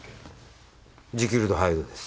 ジキルとハイドです。